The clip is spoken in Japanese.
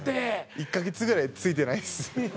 １か月ぐらいついてないっす。